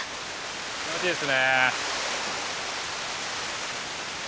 気持ちいいですね。